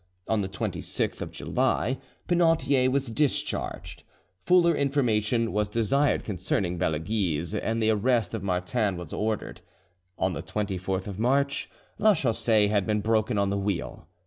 On the 26th of July, Penautier was discharged; fuller information was desired concerning Belleguise, and the arrest of Martin was ordered. On the 24th of March, Lachaussee had been broken on the wheel.